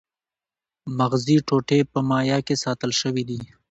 مغزي ټوټې په مایع کې ساتل شوې دي.